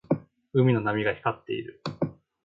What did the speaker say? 海の波が光っている。